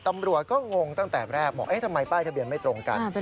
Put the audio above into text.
ตำรวจก็งงตั้งแต่แรกบอกเอ๊ะทำไมป้ายทะเบียนไม่ตรงกัน